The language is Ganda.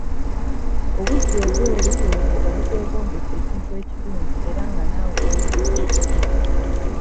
Obuggya obweru bwebo obukwegombesa ekintu ekirungi era nga naawe olubirira okifune.